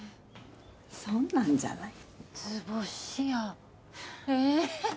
そんなんじゃない図星やえッ